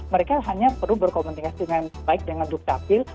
mereka hanya perlu berkomunikasi dengan baik dengan dukcapil